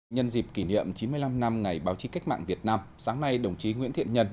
nhân dịp kỷ niệm chín mươi năm năm ngày báo chí cách mạng việt nam sáng nay đồng chí nguyễn thiện nhân